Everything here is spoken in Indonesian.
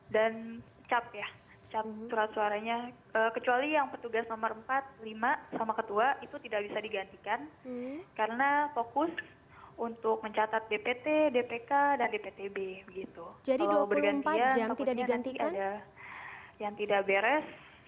di tps ku terdapat berapa anggota kpps